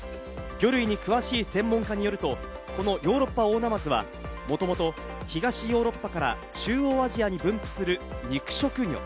魚類に詳しい専門家によると、このヨーロッパオオナマズは、もともと東ヨーロッパから中央アジアに分布する肉食魚。